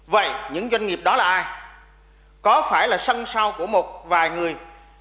vậy những doanh nghiệp đó là ai có phải là sân sao của một vài người